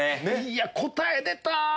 いや答え出た。